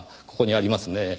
ここにありますね。